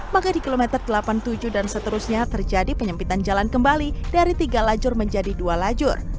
maka di kilometer delapan puluh tujuh dan seterusnya terjadi penyempitan jalan kembali dari tiga lajur menjadi dua lajur